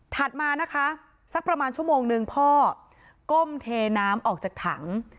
มานะคะสักประมาณชั่วโมงนึงพ่อก้มเทน้ำออกจากถัง